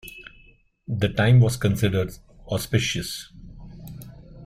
The time was considered auspicious.